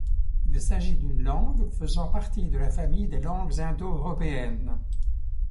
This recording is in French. Il s'agit d'une langue faisant partie de la famille des langues indo-européennes.